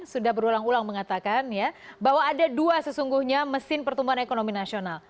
sudah berulang ulang mengatakan ya bahwa ada dua sesungguhnya mesin pertumbuhan ekonomi nasional